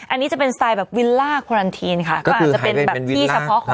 อันนี้จะเป็นสไตล์แบบวิลล่าควอรันตีนอ่ะค่ะก็สามารถจะเป็นที่ชะพ้อของเขา